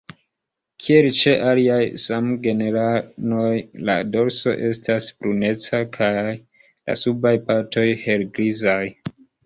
Kiel ĉe aliaj samgenranoj la dorso estas bruneca kaj la subaj partoj helgrizaj.